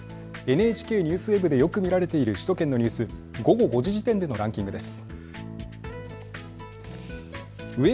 ＮＨＫＮＥＷＳＷＥＢでよく見られている首都圏のニュース、午後５時時点でのランキングです。